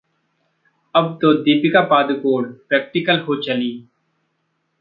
अब तो दीपिका पादुकोण प्रैक्टिकल हो चलीं